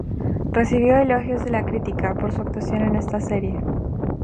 Recibió elogios de la crítica por su actuación en esta serie.